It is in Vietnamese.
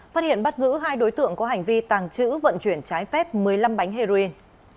phát hiện bắt giữ hai đối tượng có hành vi tàng trữ vận chuyển trái phép một mươi năm bánh heroin